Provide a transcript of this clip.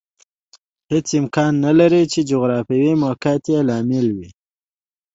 دا هېڅ امکان نه لري چې جغرافیوي موقعیت یې لامل وي